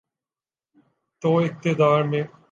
تو اقتدار میں۔